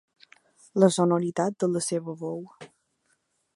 La sonoritat de la seva veu.